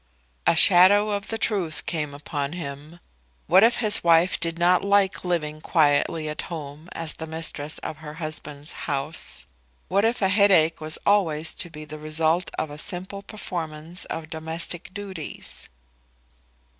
A shadow of the truth came upon him. What if his wife did not like living quietly at home as the mistress of her husband's house? What if a headache was always to be the result of a simple performance of domestic duties?